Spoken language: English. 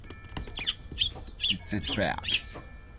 The site of the original school is now a community park.